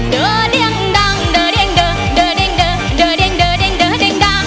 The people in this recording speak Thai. เดอเดียงดังเดอเดียงเดอเดอเดียงเดอเดอเดียงเดอเดียงดา